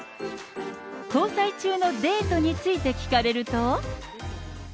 交際中のデートについて聞かれると。